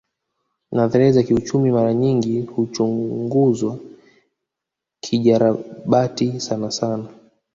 Nadharia za kiuchumi mara nyingi huchunguzwa kijarabati sanasana